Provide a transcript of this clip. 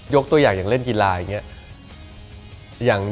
ยกตัวอย่างเล่นกีฬาอย่างนี้